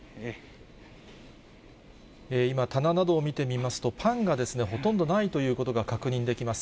今、棚などを見てみますと、パンがほとんどないということが確認できます。